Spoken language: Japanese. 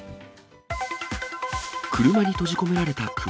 車に閉じ込められた熊。